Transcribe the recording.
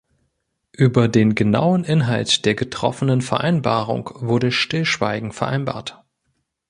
Über den genauen Inhalt der getroffenen Vereinbarung wurde Stillschweigen vereinbart.